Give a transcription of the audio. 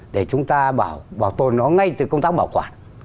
để chúng ta bảo tồn nó ngay từ công tác bảo quản